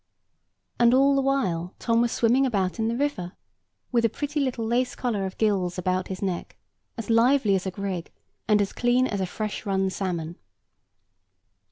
And all the while Tom was swimming about in the river, with a pretty little lace collar of gills about his neck, as lively as a grig, and as clean as a fresh run salmon.